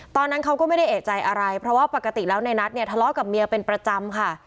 ตอนนั้นเขาก็ไม่ได้เอกใจอะไรเพราะว่าปกติแล้วในนัทเนี่ยทะเลาะกับเมียเป็นประจำค่ะ